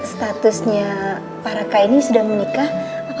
statusnya para kaini sudah menikah